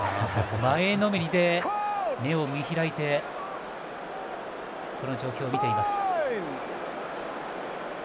前のめりで目を見開いてこの状況を見てます。